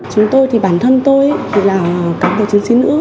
chúng tôi thì bản thân tôi thì là cán bộ chiến sĩ nữ